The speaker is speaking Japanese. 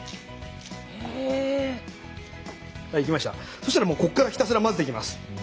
そしたらもうこっからひたすら混ぜていきます。